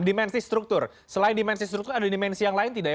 dimensi struktur selain dimensi struktur ada dimensi yang lain tidak ya